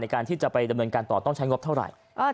การที่จะไปดำเนินการต่อต้องใช้งบเท่าไหร่